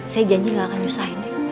saya janji gak akan nyusahin